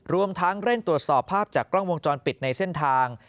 รวมทั้งเร่งตรวจสอบภาพจากกล้องวงจรปิดในเส้นทาง